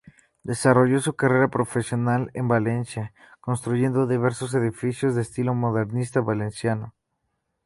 Desarrolló su carrera profesional en Valencia, construyendo diversos edificios de estilo modernista valenciano.